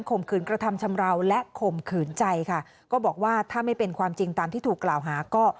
มขืนกระทำชำราวและข่มขืนใจค่ะก็บอกว่าถ้าไม่เป็นความจริงตามที่ถูกกล่าวหาก็